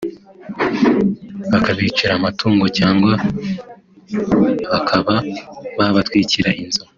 bakabicira amatungo cyangwa bakaba babatwikira inzu